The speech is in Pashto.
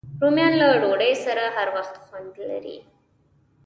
رومیان له ډوډۍ سره هر وخت خوند لري